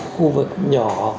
khu vực nhỏ